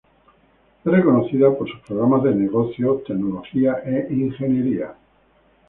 Es reconocida por sus programas de negocios, tecnología e ingeniería.